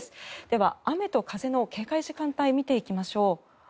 では、雨と風の警戒時間帯を見ていきましょう。